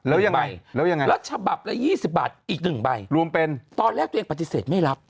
แล้วยังไงแล้วยังไงแล้วฉบับละ๒๐บาทอีกหนึ่งใบรวมเป็นตอนแรกตัวเองปฏิเสธไม่รับ